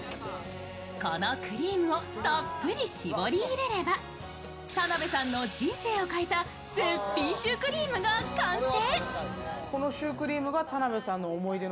このクリームをたっぷり絞り入れれば、田辺さんの人生を変えた絶品シュークリームが完成。